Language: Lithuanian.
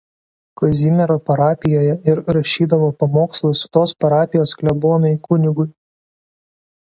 Kazimiero parapijoje ir rašydavo pamokslus tos parapijos klebonui kun.